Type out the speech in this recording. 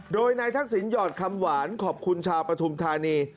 โดยนายทักษิณหยอดคำหวานขอบคุณชาวปฐุมธานี